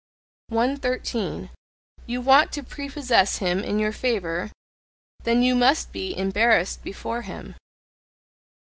113. "You want to prepossess him in your favour? Then you must be embarrassed before him."